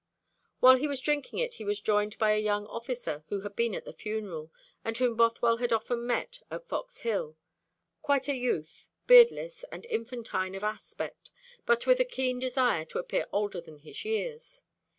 While he was drinking it he was joined by a young officer who had been at the funeral, and whom Bothwell had often met at Fox Hill quite a youth, beardless, and infantine of aspect, but with a keen desire to appear older than his years.